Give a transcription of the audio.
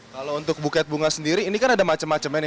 kalau untuk buket bunga sendiri ini kan ada macem macemnya